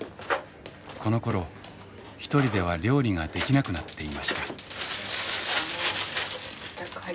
このころ一人では料理ができなくなっていました。